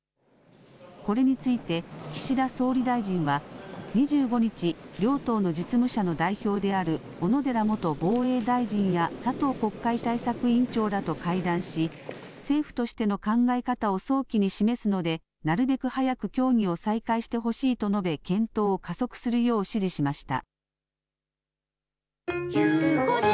これについて、岸田総理大臣は、２５日、両党の実務者の代表である小野寺元防衛大臣や佐藤国会対策委員長らと会談し、政府としての考え方を早期に示すので、なるべく早く協議を再開してほしいと述べ、検討を加速するよう指示しました。